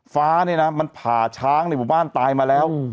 ฟ้าเนี่ยนะมันผ่าช้างในหมู่บ้านตายมาแล้ว